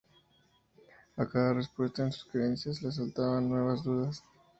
A cada respuesta en sus creencias, le asaltaban nuevas dudas.